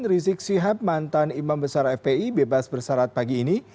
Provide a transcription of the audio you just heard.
rizik sihab mantan imam besar fpi bebas bersarat pagi ini